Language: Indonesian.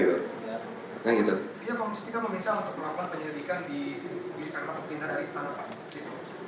iya pak om sitika meminta untuk melakukan penyelidikan di kepala pemimpinan dari tanah pak